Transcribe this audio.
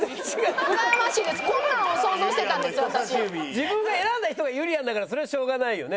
自分が選んだ人がゆりやんだからそれはしょうがないよね。